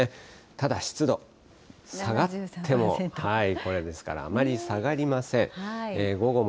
ただ、湿度、下がってもこれですから、あまり下がりません。